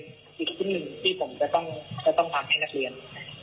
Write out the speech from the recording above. อีกชีวิตหนึ่งที่ผมจะต้องฟังให้นักเรียน